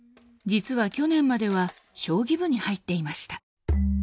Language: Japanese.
実は去年までは将棋部に入っていました。